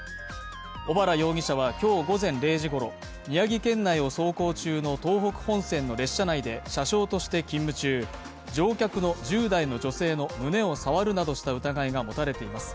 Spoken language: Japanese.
小原容疑者は今日午前０時ごろ、宮城県内を走行中の東北本線の列車内で車掌として勤務中、乗客の１０代の女性の胸を触るなどした疑いが持たれています。